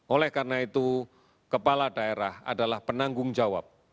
oleh karena itu kepala daerah adalah penanggung jawab